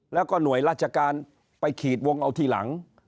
แล้วก็หน่วยราชการไปขีดวงเอาทีหลัง